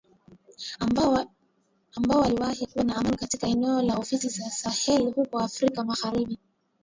ambayo yaliwahi kuwa na amani katika eneo la ofisi za Sahel huko Afrika magharibi